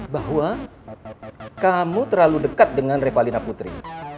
bahwa kamu terlalu dekat dengan revalina putri